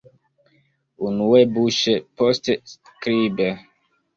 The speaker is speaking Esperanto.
Unue buŝe, poste skribe.